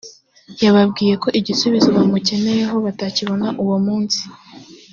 yababwiye ko igisubizo bamukeneyeho batakibona uwo munsi